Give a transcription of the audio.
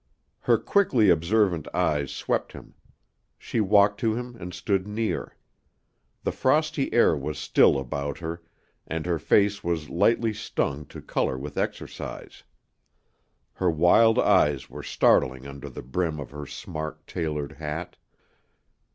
Her quickly observant eyes swept him. She walked to him and stood near. The frosty air was still about her and her face was lightly stung to color with exercise. Her wild eyes were startling under the brim of her smart, tailored hat.